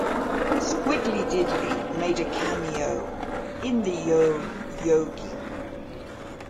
Squiddly Diddly made a cameo in the Yo Yogi!